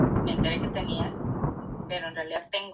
La mayoría de vecinos eran trabajadores de la factoría.